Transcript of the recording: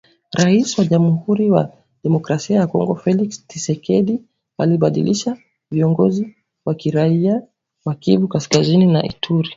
Rais wa Jamhuri ya kidemokrasia ya Kongo Felix Thisekedi alibadilisha viongozi wa kiraia wa Kivu Kaskazini na Ituri.